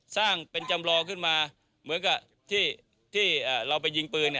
สร้างเป็นจำลองขึ้นมาเหมือนกับที่เราไปยิงปืน